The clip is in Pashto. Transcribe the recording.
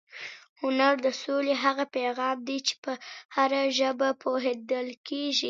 هنر د سولې هغه پیغام دی چې په هره ژبه پوهېدل کېږي.